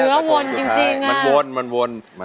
เหนือวนอยู่จริงน่ะ